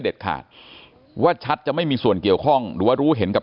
ขาดว่าชัดจะไม่มีส่วนเกี่ยวข้องหรือว่ารู้เห็นกับ